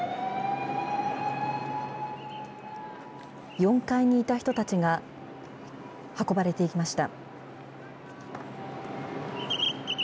４階にいた人たちが運ばれていきました。